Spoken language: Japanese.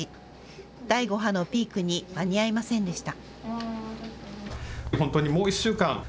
第５波のピークに間に合いませんでした。